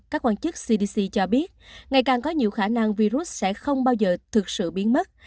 cdc cho biết ngày càng có nhiều khả năng virus sẽ không bao giờ thực sự biến mất